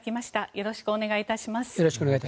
よろしくお願いします。